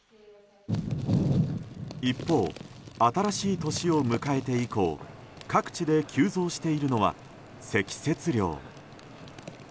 一方、新しい年を迎えて以降各地で急増しているのは積雪量。